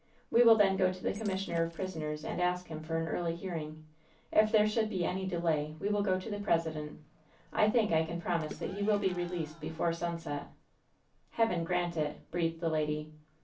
We will then go to the com missioner of prisoners and ask for him an early hearing. If there should be any delay, we will go to the Presi dent I think I can promise that he will be released before sunset" "Heaven grant it I" breathed the lady.